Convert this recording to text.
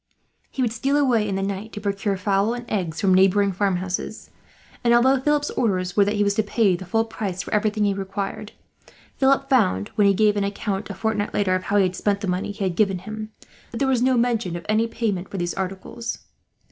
He would steal away in the night to procure fowls and eggs from neighbouring farmhouses and, although Philip's orders were that he was to pay the full price for everything he required, Philip found, when he gave an account a fortnight later of how he had spent the money he had given him, that there was no mention of any payment for these articles.